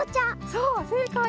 そうせいかい！